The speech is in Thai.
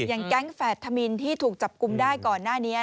อย่างแก๊งแฝดธมินที่ถูกจับกลุ่มได้ก่อนหน้านี้